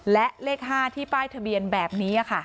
และเลข๕ที่ป้ายทะเบียนแบบนี้ค่ะ